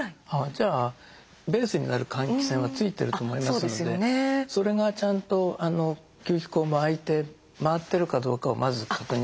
じゃあベースになる換気扇は付いてると思いますのでそれがちゃんと吸気口も開いて回ってるかどうかをまず確認して。